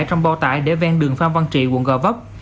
trong bao tải để ven đường phan văn trị quận gò vấp